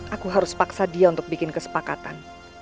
aku harus paksa dia untuk bikin kesepakatan